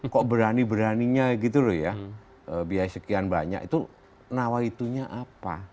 kok berani beraninya gitu loh ya biaya sekian banyak itu nawaitunya apa